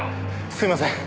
すいません。